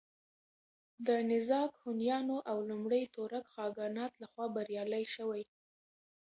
د نېزاک هونيانو او لومړي تورک خاگانات له خوا بريالي شوي